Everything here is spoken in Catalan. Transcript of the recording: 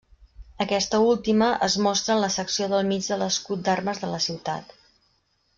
Aquesta última es mostra en la secció del mig de l'escut d'armes de la ciutat.